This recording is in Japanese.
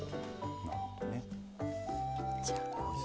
なるほどね。